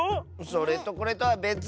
それとこれとはべつ！